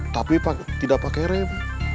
tapi tidak pakai rem